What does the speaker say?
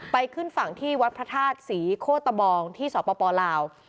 ขึ้นฝั่งที่วัดพระธาตุศรีโคตะบองที่สปลาว